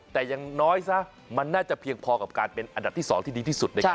แต่ยังน้อยมันน่าจะเพียงพอให้เป็นอันดัดที่สองที่ดีที่สุด